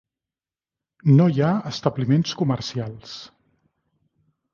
No hi ha establiments comercials.